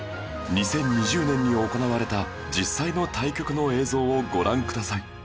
２０２０年に行われた実際の対局の映像をご覧ください